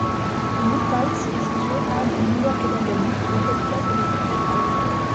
New Paltz est située à de New York et d'Albany, la capitale de l'État.